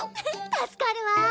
助かるわ！